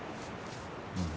うん。